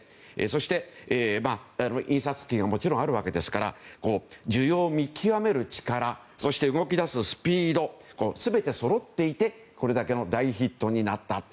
そして、印刷機がもちろんあるわけですから需要を見極める力そして、動き出すスピードすべてそろっていてこれだけの大ヒットになった。